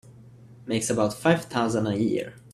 Makes about five thousand a year.